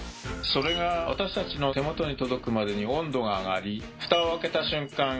それが私たちの手元に届くまでに温度が上がりフタを開けた瞬間